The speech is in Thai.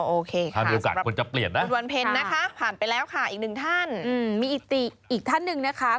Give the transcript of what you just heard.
อ๋อโอเคค่ะสำหรับคุณวันเพ็ญนะคะผ่านไปแล้วค่ะอีกหนึ่งท่านมีอีกท่านหนึ่งนะคะ